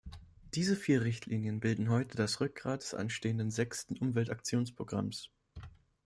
Diese vier Richtlinien bilden heute das Rückgrat des anstehenden Sechsten Umweltaktionsprogramms.